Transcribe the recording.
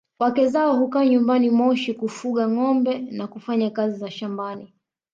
Wake zao hukaa nyumbani Moshi kufuga ngombe na kufanya kazi za shambani